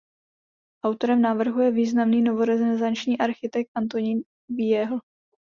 Autorem návrhu je významný novorenesanční architekt Antonín Wiehl.